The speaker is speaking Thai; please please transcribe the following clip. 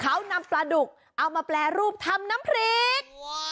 เขานำปลาดุกเอามาแปรรูปทำน้ำพริก